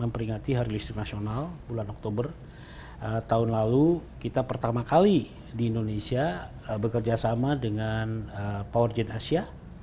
memperingati hari listrik nasional bulan oktober tahun lalu kita pertama kali di indonesia bekerjasama dengan power gen asia